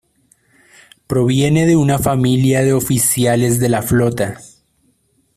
Proviene de una familia de oficiales de la flota.